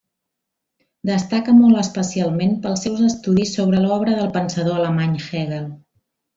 Destaca molt especialment pels seus estudis sobre l'obra del pensador alemany Hegel.